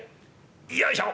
よいしょ。